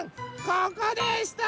ここでした！